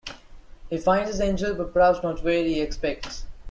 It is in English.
He finds his angel but perhaps not where he expects.